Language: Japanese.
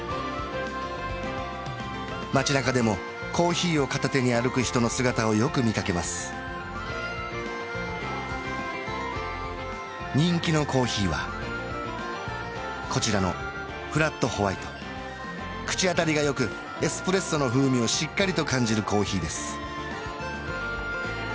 街なかでもコーヒーを片手に歩く人の姿をよく見かけます人気のコーヒーはこちらのフラットホワイト口当たりが良くエスプレッソの風味をしっかりと感じるコーヒーです